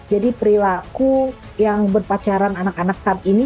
jadi perilaku yang berpacaran anak anak saat ini